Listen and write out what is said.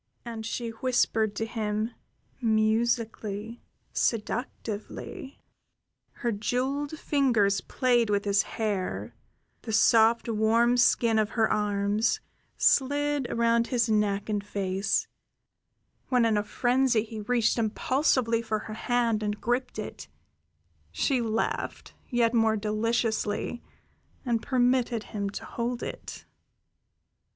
And she whispered to him musically, seductively; her jeweled fingers played with his hair; the soft, warm skin of her arms slid over his neck and face; when, in a frenzy, he reached impulsively for her hand and gripped it, she laughed yet more deliciously and permitted him to hold it.